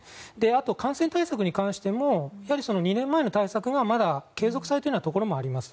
あとは感染対策に関しても２年前の対策がまだ継続されているようなところもあります。